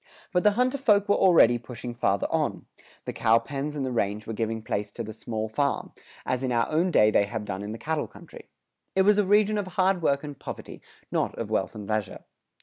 But the hunter folk were already pushing farther on; the cow pens and the range were giving place to the small farm, as in our own day they have done in the cattle country. It was a region of hard work and poverty, not of wealth and leisure.